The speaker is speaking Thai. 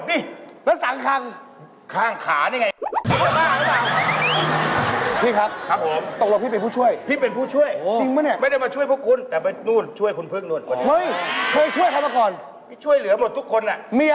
เพิ่งได้เตือนกามคละ